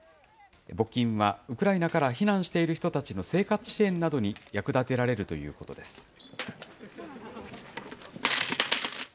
募金は、ウクライナから避難している人たちの生活支援などに役立てられるということです。